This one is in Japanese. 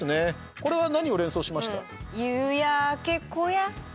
これは何を連想しました？